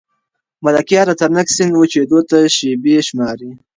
ملکیار د ترنک سیند وچېدو ته شېبې شماري.